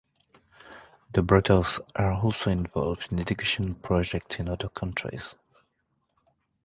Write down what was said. The brothers are also involved in educational projects in other countries.